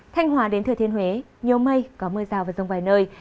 thanh hòa đến thừa thiên huế nhiều mây có mưa rào và rông vài nơi